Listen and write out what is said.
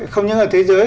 không những ở thế giới